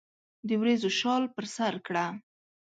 د وریځو شال پر سرکړه